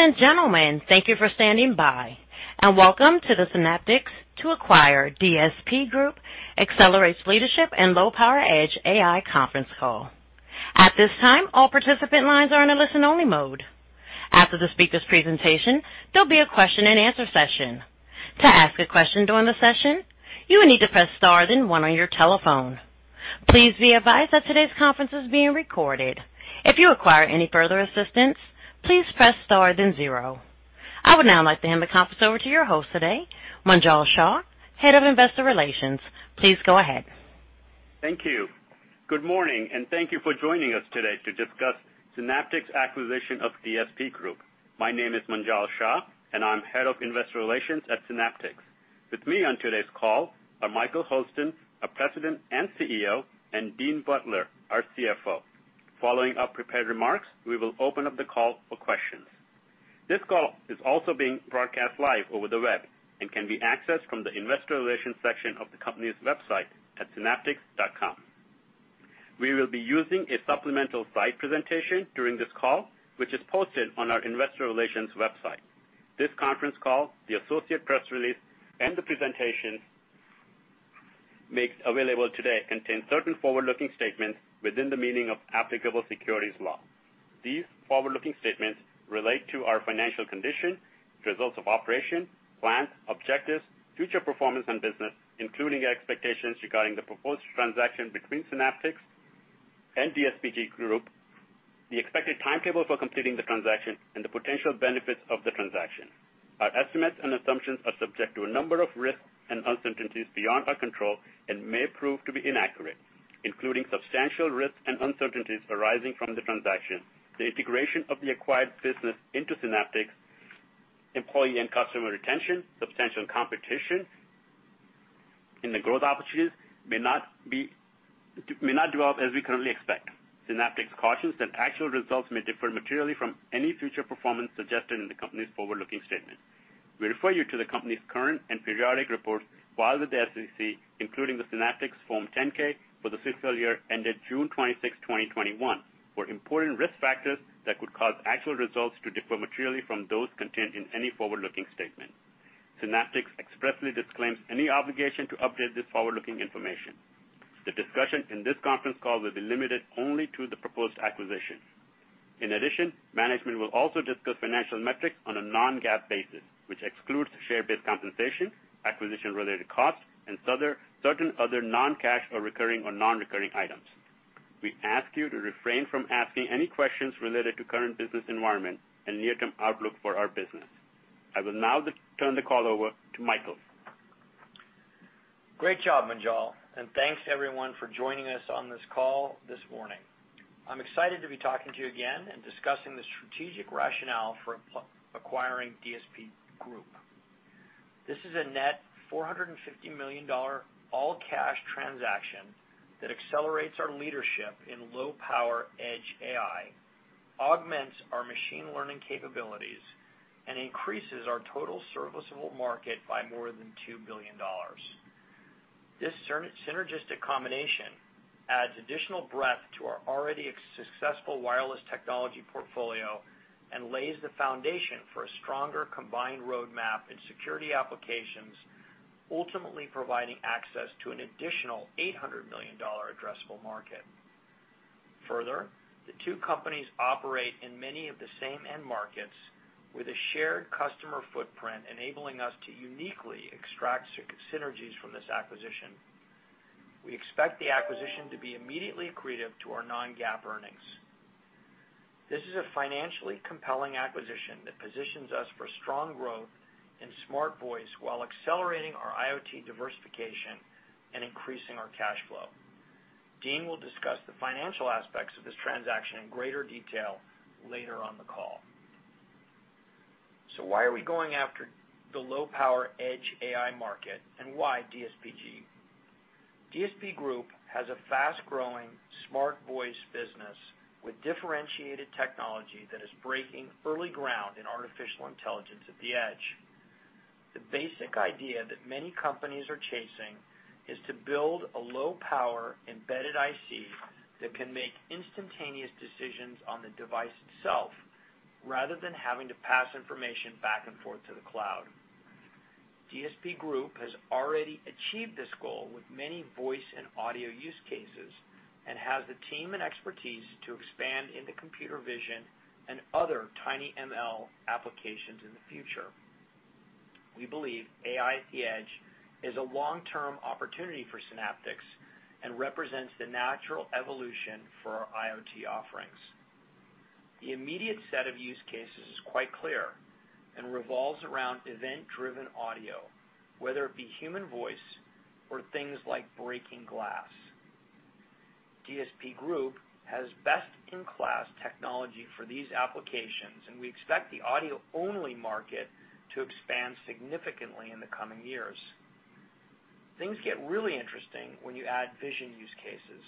Ladies and gentlemen, thank you for standing by, and welcome to the Synaptics to acquire DSP Group accelerates leadership in low power edge AI conference call. At this time, all participant lines are in a listen-only mode. After the speaker's presentation, there'll be a question-and-answer session. To ask a question during the session, you will need to press star, then one on your telephone. Please be advised that today's conference is being recorded. If you require any further assistance, please press star then zero. I would now like to hand the conference over to your host today, Munjal Shah, Head of Investor Relations. Please go ahead. Thank you. Good morning, and thank you for joining us today to discuss Synaptics acquisition of DSP Group. My name is Munjal Shah, and I'm Head of Investor Relations at Synaptics. With me on today's call are Michael Hurlston, our President and CEO, and Dean Butler, our CFO. Following our prepared remarks, we will open up the call for questions. This call is also being broadcast live over the web and can be accessed from the investor relations section of the company's website at synaptics.com. We will be using a supplemental slide presentation during this call, which is posted on our investor relations website. This conference call, the associate press release, and the presentation made available today contain certain forward-looking statements within the meaning of applicable securities law. These forward-looking statements relate to our financial condition, results of operation, plans, objectives, future performance and business, including expectations regarding the proposed transaction between Synaptics and DSP Group, the expected timetable for completing the transaction, and the potential benefits of the transaction. Our estimates and assumptions are subject to a number of risks and uncertainties beyond our control and may prove to be inaccurate, including substantial risks and uncertainties arising from the transaction, the integration of the acquired business into Synaptics, employee and customer retention, substantial competition, and the growth opportunities may not develop as we currently expect. Synaptics cautions that actual results may differ materially from any future performance suggested in the company's forward-looking statement. We refer you to the company's current and periodic reports filed with the SEC, including the Synaptics Form 10-K for the fiscal year ended June 26, 2021, for important risk factors that could cause actual results to differ materially from those contained in any forward-looking statement. Synaptics expressly disclaims any obligation to update this forward-looking information. The discussion in this conference call will be limited only to the proposed acquisition. In addition, management will also discuss financial metrics on a non-GAAP basis, which excludes share-based compensation, acquisition-related costs, and certain other non-cash or recurring or non-recurring items. We ask you to refrain from asking any questions related to current business environment and near-term outlook for our business. I will now turn the call over to Michael. Great job, Munjal, and thanks, everyone, for joining us on this call this morning. I'm excited to be talking to you again and discussing the strategic rationale for acquiring DSP Group. This is a net $450 million all-cash transaction that accelerates our leadership in low-power edge AI, augments our machine learning capabilities, and increases our total serviceable market by more than $2 billion. This synergistic combination adds additional breadth to our already successful wireless technology portfolio and lays the foundation for a stronger combined roadmap in security applications, ultimately providing access to an additional $800 million addressable market. Further, the two companies operate in many of the same end markets with a shared customer footprint, enabling us to uniquely extract synergies from this acquisition. We expect the acquisition to be immediately accretive to our non-GAAP earnings. This is a financially compelling acquisition that positions us for strong growth in SmartVoice while accelerating our IoT diversification and increasing our cash flow. Dean will discuss the financial aspects of this transaction in greater detail later on the call. Why are we going after the low-power edge AI market and why DSPG? DSP Group has a fast-growing SmartVoice business with differentiated technology that is breaking early ground in artificial intelligence at the edge. The basic idea that many companies are chasing is to build a low-power embedded IC that can make instantaneous decisions on the device itself, rather than having to pass information back and forth to the cloud. DSP Group has already achieved this goal with many voice and audio use cases and has the team and expertise to expand into computer vision and other TinyML applications in the future. We believe AI at the edge is a long-term opportunity for Synaptics and represents the natural evolution for our IoT offerings. The immediate set of use cases is quite clear and revolves around event-driven audio, whether it be human voice or things like breaking glass. DSP Group has best-in-class technology for these applications, and we expect the audio-only market to expand significantly in the coming years. Things get really interesting when you add vision use cases.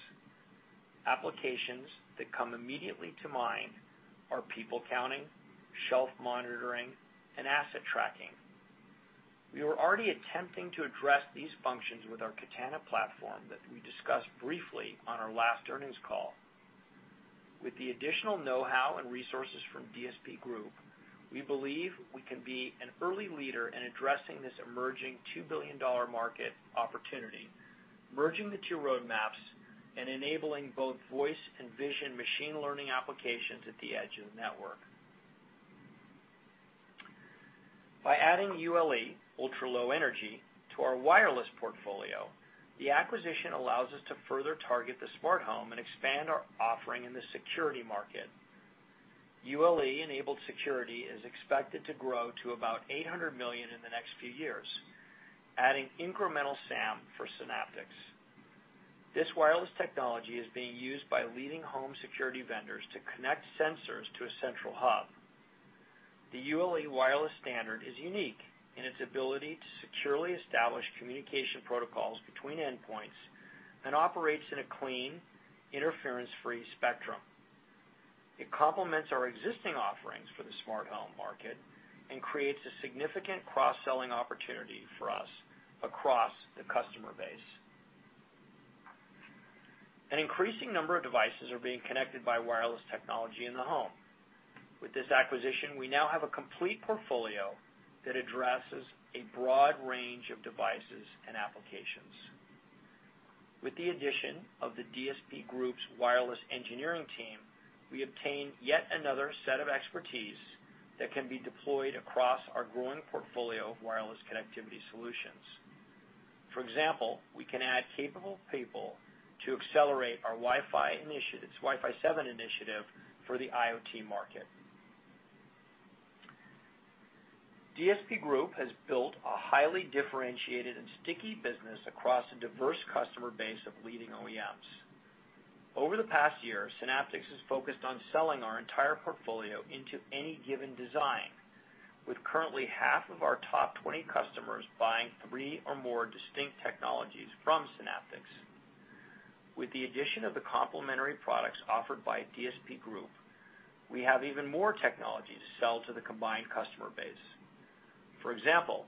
Applications that come immediately to mind are people counting, shelf monitoring, and asset tracking. We were already attempting to address these functions with our Katana platform that we discussed briefly on our last earnings call. With the additional know-how and resources from DSP Group, we believe we can be an early leader in addressing this emerging $2 billion market opportunity, merging the two roadmaps, and enabling both voice and vision machine learning applications at the edge of the network. By adding ULE, ultra-low energy, to our wireless portfolio, the acquisition allows us to further target the smart home and expand our offering in the security market. ULE-enabled security is expected to grow to about $800 million in the next few years, adding incremental SAM for Synaptics. This wireless technology is being used by leading home security vendors to connect sensors to a central hub. The ULE wireless standard is unique in its ability to securely establish communication protocols between endpoints and operates in a clean, interference-free spectrum. It complements our existing offerings for the smart home market and creates a significant cross-selling opportunity for us across the customer base. An increasing number of devices are being connected by wireless technology in the home. With this acquisition, we now have a complete portfolio that addresses a broad range of devices and applications. With the addition of the DSP Group's wireless engineering team, we obtain yet another set of expertise that can be deployed across our growing portfolio of wireless connectivity solutions. For example, we can add capable people to accelerate our Wi-Fi 7 initiative for the IoT market. DSP Group has built a highly differentiated and sticky business across a diverse customer base of leading OEMs. Over the past year, Synaptics has focused on selling our entire portfolio into any given design, with currently half of our top 20 customers buying three or more distinct technologies from Synaptics. With the addition of the complementary products offered by DSP Group, we have even more technology to sell to the combined customer base. For example,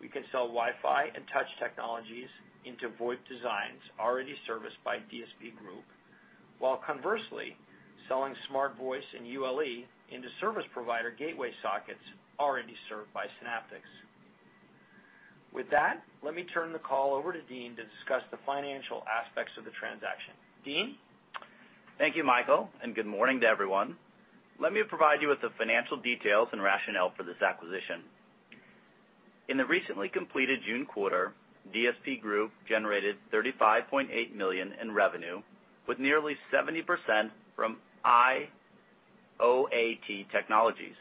we can sell Wi-Fi and touch technologies into VoIP designs already serviced by DSP Group, while conversely, selling SmartVoice and ULE into service provider gateway sockets already served by Synaptics. With that, let me turn the call over to Dean to discuss the financial aspects of the transaction. Dean? Thank you, Michael, and good morning to everyone. Let me provide you with the financial details and rationale for this acquisition. In the recently completed June quarter, DSP Group generated $35.8 million in revenue with nearly 70% from IoT technologies.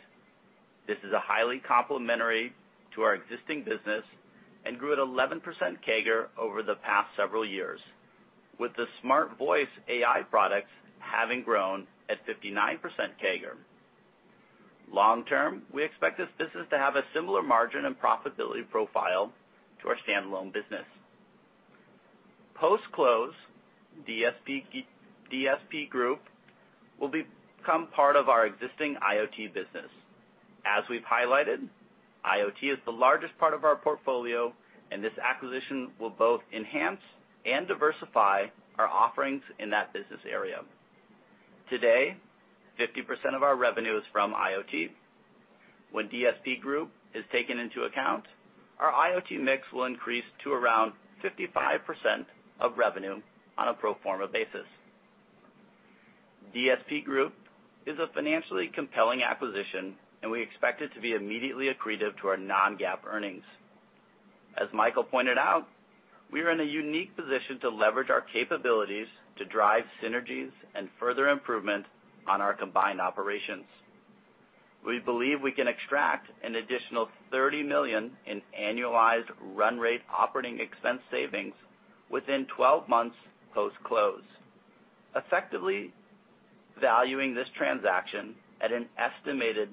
This is highly complementary to our existing business and grew at 11% CAGR over the past several years, with the SmartVoice AI products having grown at 59% CAGR. Long-term, we expect this business to have a similar margin and profitability profile to our standalone business. Post-close, DSP Group will become part of our existing IoT business. As we've highlighted, IoT is the largest part of our portfolio, and this acquisition will both enhance and diversify our offerings in that business area. Today, 50% of our revenue is from IoT. When DSP Group is taken into account, our IoT mix will increase to around 55% of revenue on a pro forma basis. DSP Group is a financially compelling acquisition, and we expect it to be immediately accretive to our non-GAAP earnings. As Michael pointed out, we are in a unique position to leverage our capabilities to drive synergies and further improvement on our combined operations. We believe we can extract an additional $30 million in annualized run rate operating expense savings within 12 months post-close, effectively valuing this transaction at an estimated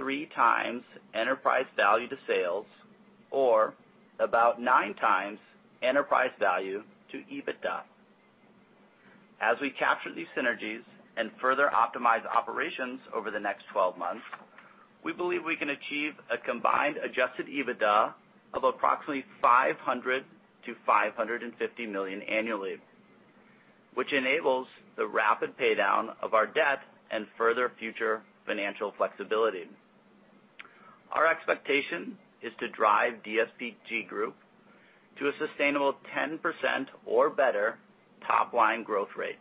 3x enterprise value to sales or about 9x enterprise value to EBITDA. As we capture these synergies and further optimize operations over the next 12 months, we believe we can achieve a combined adjusted EBITDA of approximately $500 million-$550 million annually, which enables the rapid paydown of our debt and further future financial flexibility. Our expectation is to drive DSP Group to a sustainable 10% or better top-line growth rate,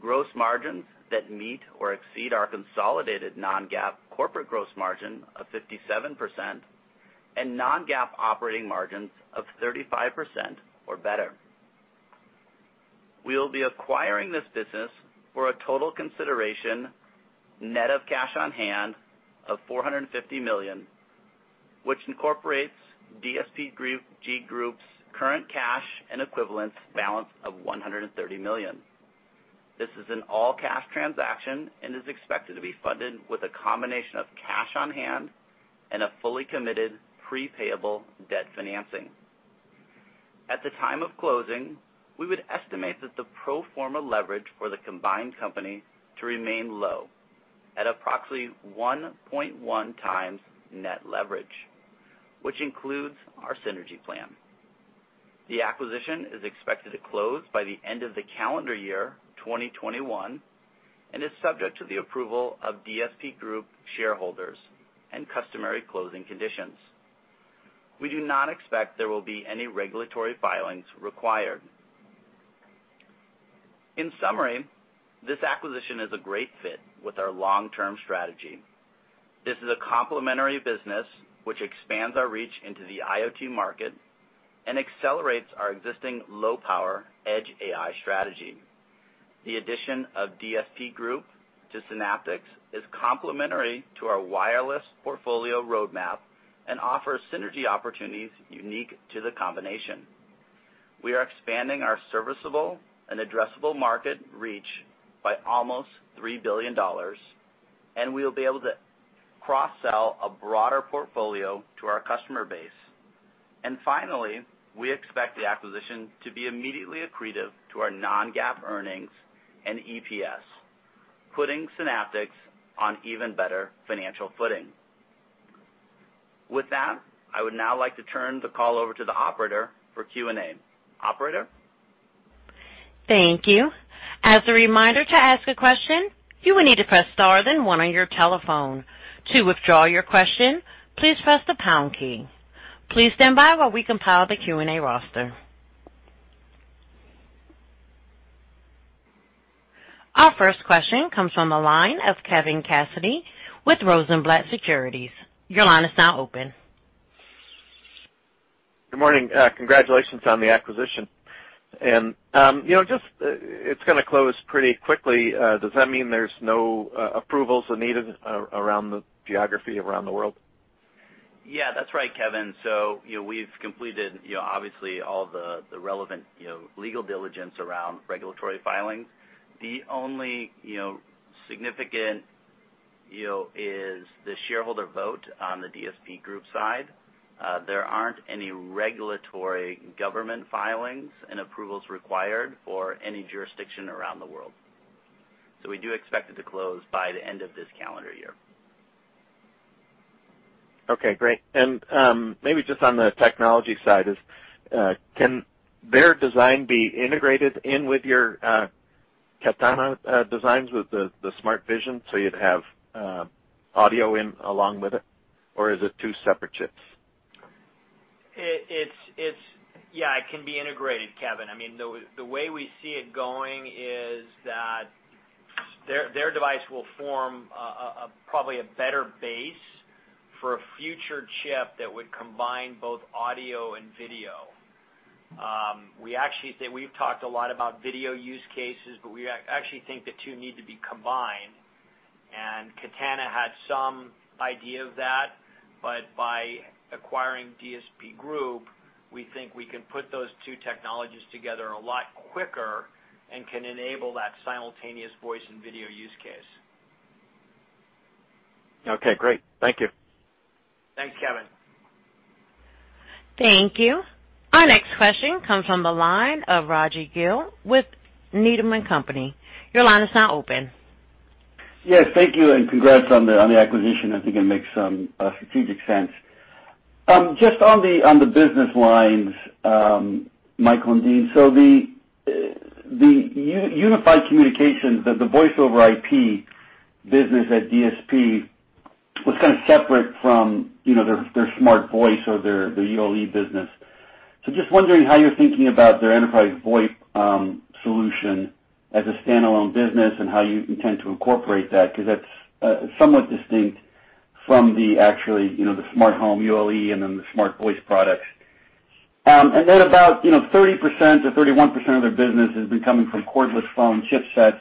gross margins that meet or exceed our consolidated non-GAAP corporate gross margin of 57%, and non-GAAP operating margins of 35% or better. We will be acquiring this business for a total consideration net of cash on hand of $450 million, which incorporates DSP Group's current cash and equivalents balance of $130 million. This is an all-cash transaction and is expected to be funded with a combination of cash on hand and a fully committed pre-payable debt financing. At the time of closing, we would estimate that the pro forma leverage for the combined company to remain low at approximately 1.1x net leverage, which includes our synergy plan. The acquisition is expected to close by the end of the calendar year 2021 and is subject to the approval of DSP Group shareholders and customary closing conditions. We do not expect there will be any regulatory filings required. In summary, this acquisition is a great fit with our long-term strategy. This is a complementary business which expands our reach into the IoT market and accelerates our existing low-power edge AI strategy. The addition of DSP Group to Synaptics is complementary to our wireless portfolio roadmap and offers synergy opportunities unique to the combination. We are expanding our serviceable and addressable market reach by almost $3 billion, We will be able to cross-sell a broader portfolio to our customer base. Finally, we expect the acquisition to be immediately accretive to our non-GAAP earnings and EPS, putting Synaptics on even better financial footing. With that, I would now like to turn the call over to the operator for Q&A. Operator? Thank you. As a reminder to ask a question, you will need to press star then one on your telephone. To withdraw your question, please press the pound key. Please stand by while we compile the Q&A roster. Our first question comes from the line of Kevin Cassidy with Rosenblatt Securities. Your line is now open. Good morning. Congratulations on the acquisition. It's going to close pretty quickly. Does that mean there's no approvals are needed around the geography around the world? Yeah, that's right, Kevin. We've completed obviously all the relevant legal diligence around regulatory filings. The only significant is the shareholder vote on the DSP Group side. There aren't any regulatory government filings and approvals required for any jurisdiction around the world. We do expect it to close by the end of this calendar year. Okay, great. Maybe just on the technology side, can their design be integrated in with your Katana designs with the SmartVoice, so you'd have audio in along with it? Or is it two separate chips? Yeah, it can be integrated, Kevin. The way we see it going is that their device will form probably a better base for a future chip that would combine both audio and video. We've talked a lot about video use cases, but we actually think the two need to be combined. Katana had some idea of that, but by acquiring DSP Group, we think we can put those two technologies together a lot quicker and can enable that simultaneous voice and video use case. Okay, great. Thank you. Thanks, Kevin. Thank you. Our next question comes from the line of Raji Gill with Needham & Company. Your line is now open. Yes, thank you, and congrats on the acquisition. I think it makes some strategic sense. Just on the business lines, Michael and Dean, the unified communications, the voice-over IP business at DSP was kind of separate from their SmartVoice or their ULE business. Just wondering how you're thinking about their enterprise VoIP solution as a standalone business and how you intend to incorporate that, because that's somewhat distinct from the smart home ULE and then the SmartVoice products. About 30% or 31% of their business has been coming from cordless phone chipsets,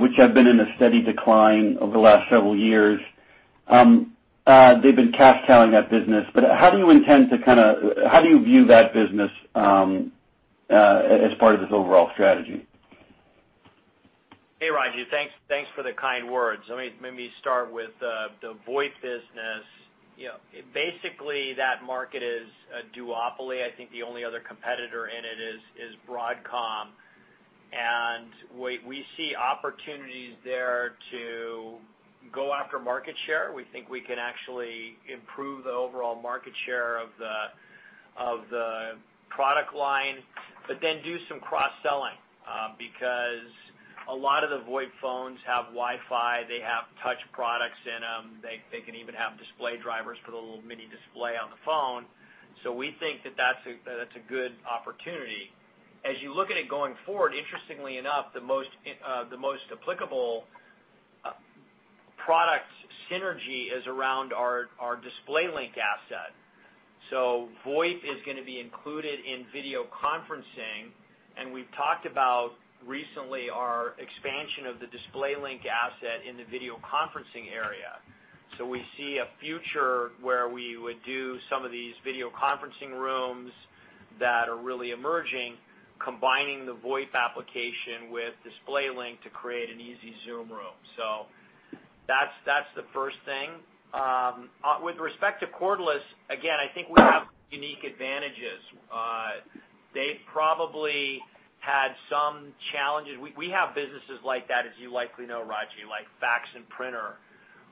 which have been in a steady decline over the last several years. They've been cash cowing that business, but how do you view that business as part of this overall strategy? Hey, Raji. Thanks for the kind words. Let me start with the VoIP business. Basically, that market is a duopoly. I think the only other competitor in it is Broadcom. We see opportunities there to go after market share. We think we can actually improve the overall market share of the product line, but then do some cross-selling, because a lot of the VoIP phones have Wi-Fi, they have touch products in them. They can even have display drivers for the little mini display on the phone. We think that that's a good opportunity. As you look at it going forward, interestingly enough, the most applicable product synergy is around our DisplayLink asset. VoIP is going to be included in video conferencing, and we've talked about recently our expansion of the DisplayLink asset in the video conferencing area. We see a future where we would do some of these video conferencing rooms that are really emerging, combining the VoIP application with DisplayLink to create an easy Zoom room. That's the first thing. With respect to cordless, again, I think we have unique advantages. They probably had some challenges. We have businesses like that, as you likely know, Raji, like fax and printer,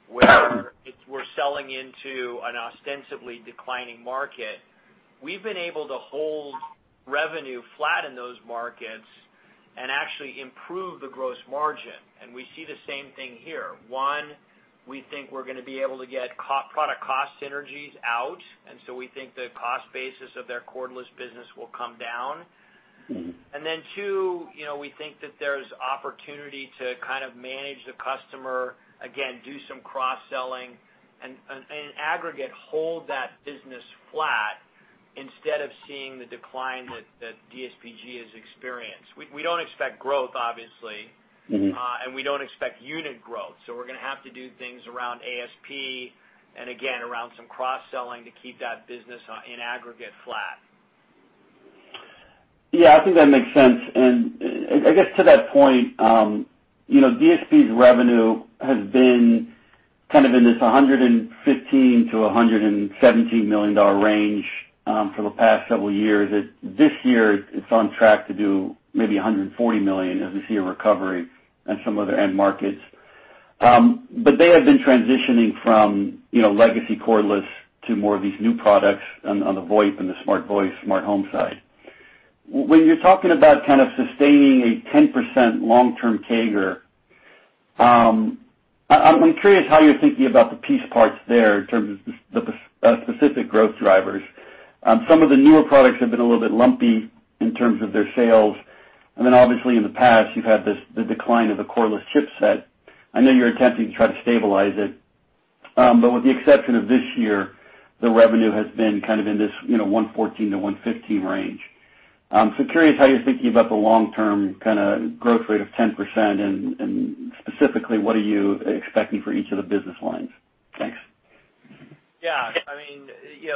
where we're selling into an ostensibly declining market. We've been able to hold revenue flat in those markets and actually improve the gross margin, and we see the same thing here. One, we think we're going to be able to get product cost synergies out, and so we think the cost basis of their cordless business will come down. Two, we think that there's opportunity to manage the customer, again, do some cross-selling and, in aggregate, hold that business flat instead of seeing the decline that DSPG has experienced. We don't expect growth, obviously. We don't expect unit growth. We're going to have to do things around ASP and again, around some cross-selling to keep that business in aggregate flat. Yeah, I think that makes sense. I guess to that point, DSP's revenue has been kind of in this $115 million-$117 million range for the past several years. This year, it's on track to do maybe $140 million as we see a recovery in some of their end markets. They have been transitioning from legacy cordless to more of these new products on the VoIP and the smart voice, smart home side. When you're talking about sustaining a 10% long-term CAGR, I'm curious how you're thinking about the piece parts there in terms of the specific growth drivers. Some of the newer products have been a little bit lumpy in terms of their sales, and then obviously in the past, you've had the decline of the cordless chipset. I know you're attempting to try to stabilize it. With the exception of this year, the revenue has been kind of in this $114 million-$115 million range. Curious how you're thinking about the long-term kind of growth rate of 10%, and specifically, what are you expecting for each of the business lines? Thanks. Yeah.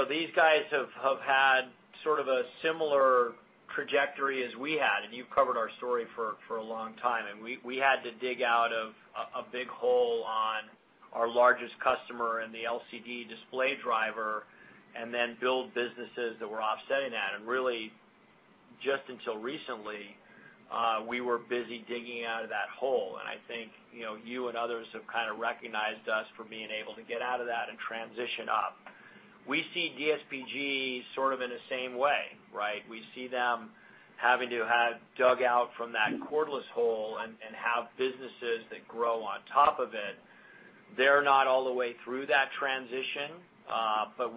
These guys have had sort of a similar trajectory as we had, and you've covered our story for a long time, and we had to dig out of a big hole on our largest customer in the LCD display driver and then build businesses that were offsetting that. Really, just until recently, we were busy digging out of that hole. I think you and others have kind of recognized us for being able to get out of that and transition up. We see DSPG sort of in the same way, right? We see them having to have dug out from that cordless hole and have businesses that grow on top of it. They're not all the way through that transition.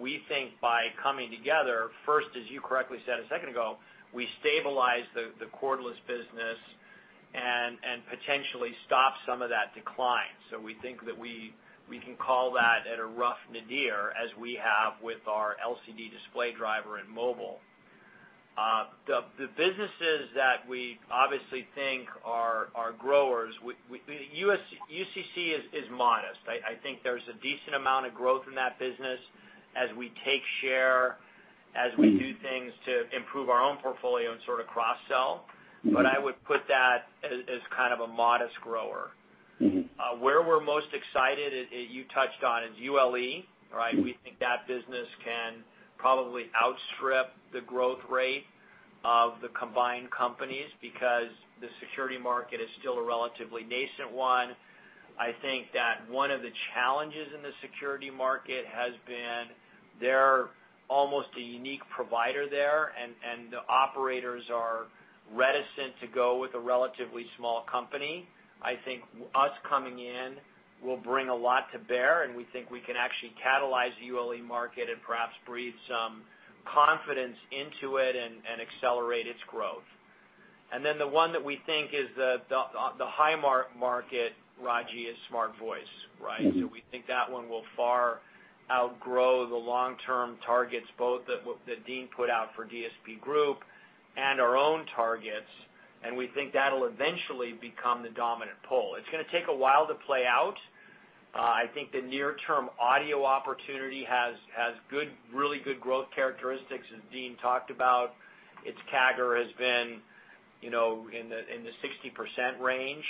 We think by coming together, first, as you correctly said a second ago, we stabilize the cordless business and potentially stop some of that decline. We think that we can call that at a rough nadir, as we have with our LCD display driver in mobile. The businesses that we obviously think are growers, UCC is modest. I think there's a decent amount of growth in that business as we take share, as we do things to improve our own portfolio and sort of cross-sell. I would put that as kind of a modest grower. Where we're most excited, you touched on, is ULE, right? We think that business can probably outstrip the growth rate of the combined companies because the security market is still a relatively nascent one. I think that one of the challenges in the security market has been they're almost a unique provider there, and the operators are reticent to go with a relatively small company. I think us coming in will bring a lot to bear, and we think we can actually catalyze the ULE market and perhaps breed some confidence into it and accelerate its growth. The one that we think is the high mark market, Raji, is SmartVoice, right? We think that one will far outgrow the long-term targets, both that Dean put out for DSP Group and our own targets, and we think that'll eventually become the dominant pole. It's going to take a while to play out. I think the near-term audio opportunity has really good growth characteristics, as Dean talked about. Its CAGR has been in the 60% range.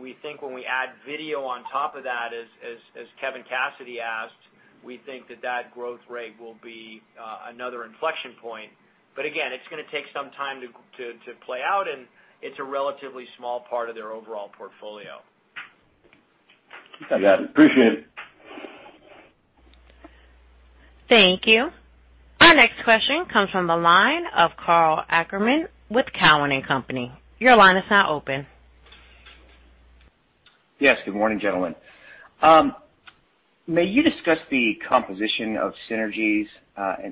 We think when we add video on top of that, as Kevin Cassidy asked, we think that that growth rate will be another inflection point. Again, it's going to take some time to play out, and it's a relatively small part of their overall portfolio. You got it. Appreciate it. Thank you. Our next question comes from the line of Karl Ackerman with Cowen & Company. Your line is now open. Yes. Good morning, gentlemen. May you discuss the composition of synergies,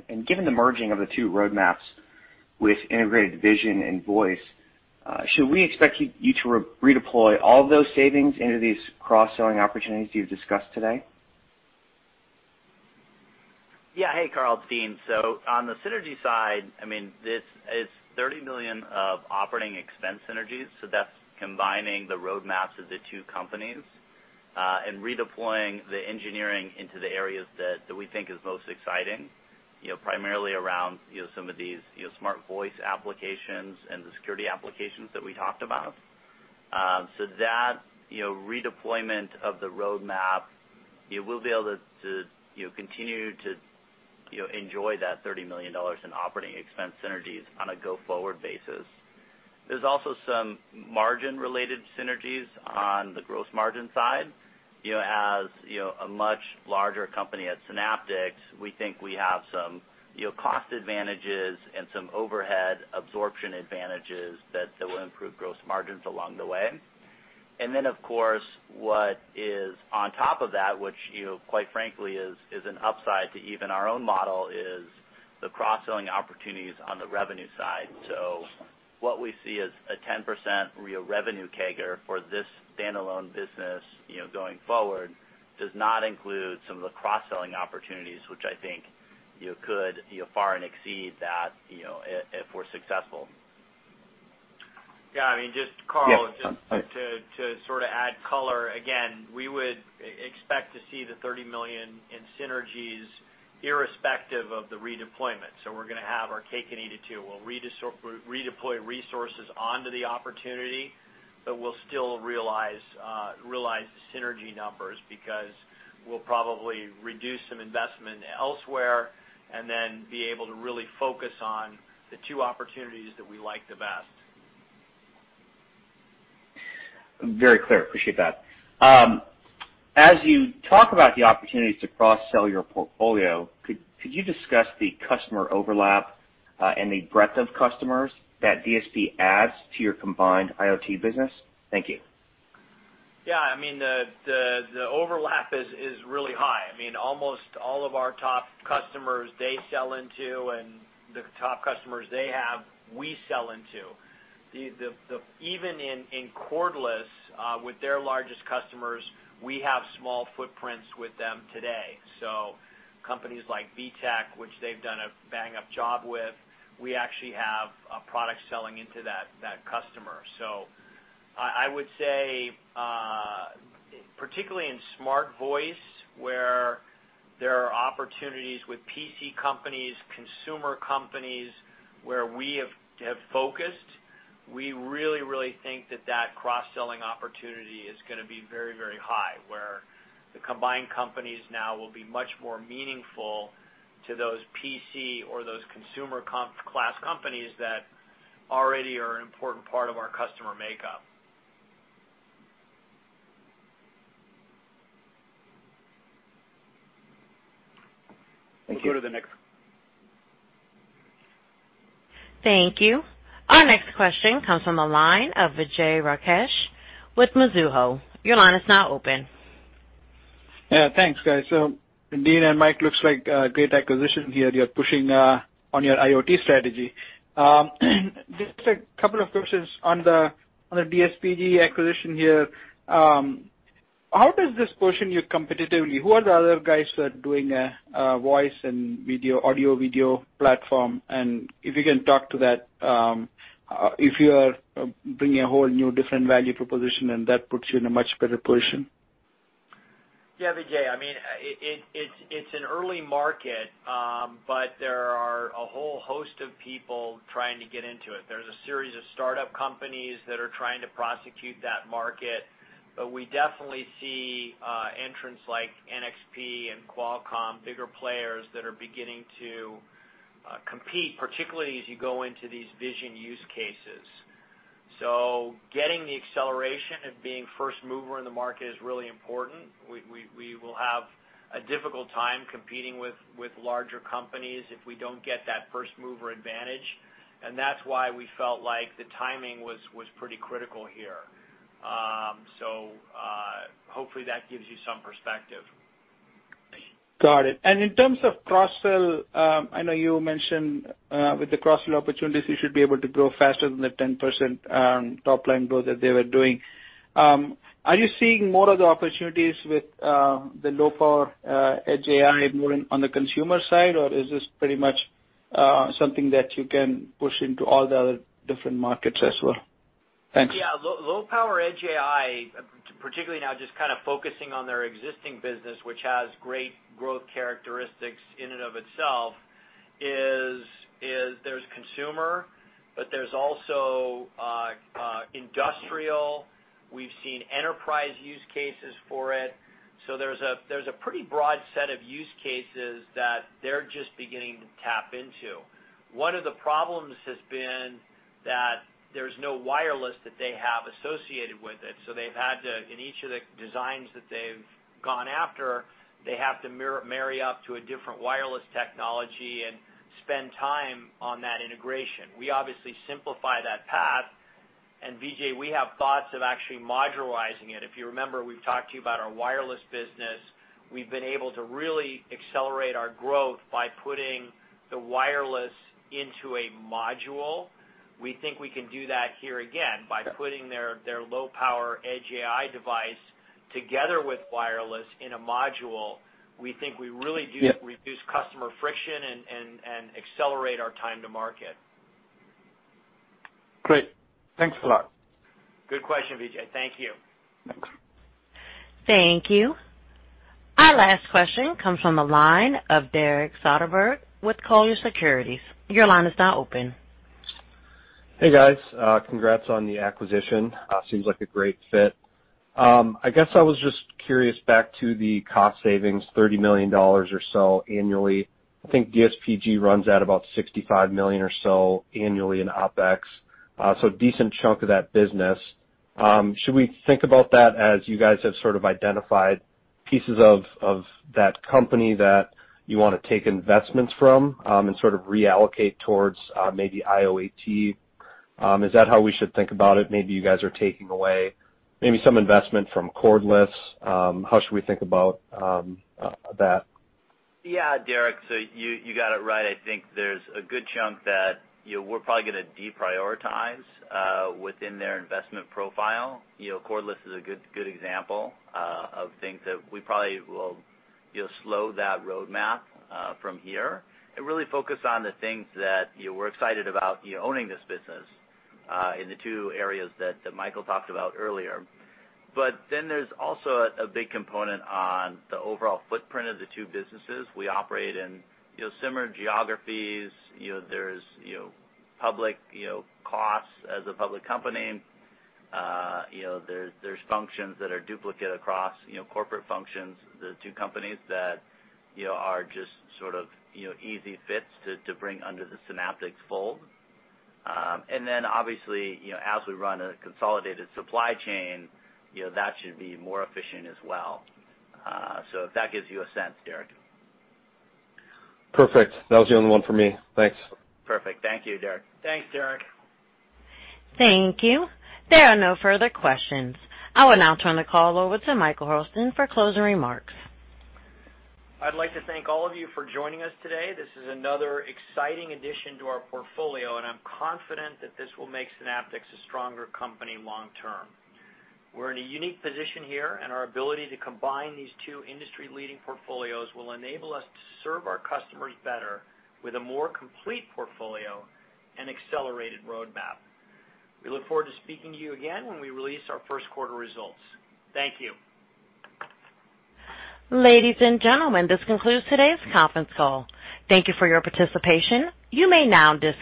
and given the merging of the two roadmaps with integrated vision and voice, should we expect you to redeploy all of those savings into these cross-selling opportunities you've discussed today? Yeah. Hey, Karl, it's Dean. On the synergy side, it's $30 million of operating expense synergies. That's combining the roadmaps of the two companies, and redeploying the engineering into the areas that we think is most exciting, primarily around some of these SmartVoice applications and the security applications that we talked about. That redeployment of the roadmap, you will be able to continue to enjoy that $30 million in operating expense synergies on a go-forward basis. There's also some margin-related synergies on the gross margin side. As a much larger company at Synaptics, we think we have some cost advantages and some overhead absorption advantages that will improve gross margins along the way. Of course, what is on top of that, which quite frankly is an upside to even our own model, is the cross-selling opportunities on the revenue side. What we see as a 10% real revenue CAGR for this standalone business going forward does not include some of the cross-selling opportunities, which I think could far and exceed that if we're successful. Yeah. Karl, just to sort of add color, again, we would expect to see the $30 million in synergies irrespective of the redeployment. We're going to have our cake and eat it too. We'll redeploy resources onto the opportunity, but we'll still realize the synergy numbers, because we'll probably reduce some investment elsewhere and then be able to really focus on the two opportunities that we like the best. Very clear. Appreciate that. As you talk about the opportunities to cross-sell your portfolio, could you discuss the customer overlap, and the breadth of customers that DSP adds to your combined IoT business? Thank you. Yeah. The overlap is really high. Almost all of our top customers they sell into and the top customers they have, we sell into. Even in cordless, with their largest customers, we have small footprints with them today. Companies like VTech, which they've done a bang-up job with, we actually have a product selling into that customer. I would say, particularly in SmartVoice, where there are opportunities with PC companies, consumer companies, where we have focused, we really, really think that that cross-selling opportunity is going to be very, very high, where the combined companies now will be much more meaningful to those PC or those consumer class companies that already are an important part of our customer makeup. Thank you. We'll go to the next. Thank you. Our next question comes from the line of Vijay Rakesh with Mizuho. Your line is now open. Yeah. Thanks, guys. Dean and Mike, looks like a great acquisition here. You're pushing on your IoT strategy. Just a couple of questions on the DSPG acquisition here. How does this position you competitively? Who are the other guys that are doing voice and audio-video platform? If you can talk to that, if you're bringing a whole new different value proposition, and that puts you in a much better position? Yeah, Vijay. It's an early market, but there are a whole host of people trying to get into it. There's a series of start-up companies that are trying to prosecute that market, but we definitely see entrants like NXP and Qualcomm, bigger players that are beginning to compete, particularly as you go into these vision use cases. Getting the acceleration of being first mover in the market is really important. We will have a difficult time competing with larger companies if we don't get that first-mover advantage, and that's why we felt like the timing was pretty critical here. Hopefully, that gives you some perspective. Got it. In terms of cross-sell, I know you mentioned with the cross-sell opportunities, you should be able to grow faster than the 10% top-line growth that they were doing. Are you seeing more of the opportunities with the low-power edge AI more on the consumer side, or is this pretty much something that you can push into all the other different markets as well? Thanks. Low-power edge AI, particularly now just kind of focusing on their existing business, which has great growth characteristics in and of itself, is there's consumer, but there's also industrial. We've seen enterprise use cases for it. There's a pretty broad set of use cases that they're just beginning to tap into. One of the problems has been that there's no wireless that they have associated with it, so they've had to, in each of the designs that they've gone after, they have to marry up to a different wireless technology and spend time on that integration. We obviously simplify that path. Vijay, we have thoughts of actually modularizing it. If you remember, we've talked to you about our wireless business. We've been able to really accelerate our growth by putting the wireless into a module. We think we can do that here again by putting their low-power edge AI device together with wireless in a module. We think we really do reduce customer friction and accelerate our time to market. Great. Thanks a lot. Good question, Vijay. Thank you. Thank you. Our last question comes from the line of Derek Soderberg with Colliers Securities. Your line is now open. Hey, guys. Congrats on the acquisition. Seems like a great fit. I guess I was just curious, back to the cost savings, $30 million or so annually. I think DSPG runs at about $65 million or so annually in OpEx, so a decent chunk of that business. Should we think about that as you guys have sort of identified pieces of that company that you want to take investments from, and sort of reallocate towards maybe IoT? Is that how we should think about it? Maybe you guys are taking away maybe some investment from cordless. How should we think about that? Derek, you got it right. I think there's a good chunk that we're probably going to deprioritize within their investment profile. Cordless is a good example of things that we probably will slow that roadmap from here and really focus on the things that we're excited about owning this business in the two areas that Michael talked about earlier. There's also a big component on the overall footprint of the two businesses. We operate in similar geographies. There's public costs as a public company. There's functions that are duplicate across corporate functions, the two companies that are just sort of easy fits to bring under the Synaptics fold. Obviously, as we run a consolidated supply chain, that should be more efficient as well. If that gives you a sense, Derek. Perfect. That was the only one for me. Thanks. Perfect. Thank you, Derek. Thanks, Derek. Thank you. There are no further questions. I will now turn the call over to Michael Hurlston for closing remarks. I'd like to thank all of you for joining us today. This is another exciting addition to our portfolio, and I'm confident that this will make Synaptics a stronger company long-term. We're in a unique position here, and our ability to combine these two industry-leading portfolios will enable us to serve our customers better with a more complete portfolio and accelerated roadmap. We look forward to speaking to you again when we release our first quarter results. Thank you. Ladies and gentlemen, this concludes today's conference call. Thank you for your participation. You may now disconnect.